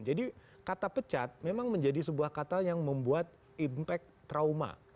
jadi kata pecat memang menjadi sebuah kata yang membuat impact trauma